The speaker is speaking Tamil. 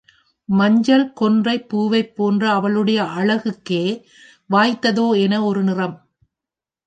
மஞ்சள் கொன்றைப் பூவைப்போன்ற அவளுடைய அழகுக்கே வாய்த்ததோ என ஒரு நிறம்.